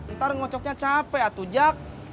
ntar ngocoknya capek atau jak